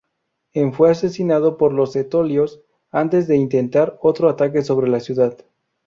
En fue asesinado por los etolios antes de intentar otro ataque sobre la ciudad.